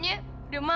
nyokapnya udah mampus